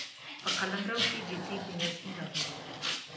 په قلمرو کې جدي بې نظمي راغلې ده.